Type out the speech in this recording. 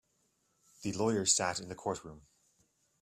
The lawyer sat in the courtroom.